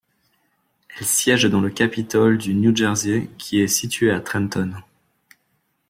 Elle siège dans le capitole du New Jersey qui est situé à Trenton.